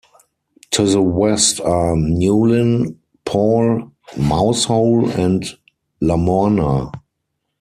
To the west are Newlyn, Paul, Mousehole and Lamorna.